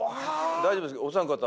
大丈夫ですか？